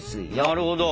なるほど。